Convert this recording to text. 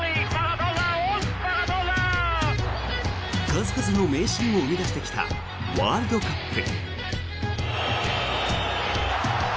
数々の名シーンを生み出してきたワールドカップ。